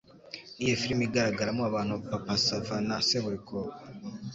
Niyihe film igaragaramo abantu papa sava na seburikoko?